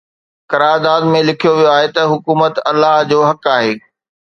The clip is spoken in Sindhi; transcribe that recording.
قرارداد ۾ لکيو ويو آهي ته حڪومت الله جو حق آهي.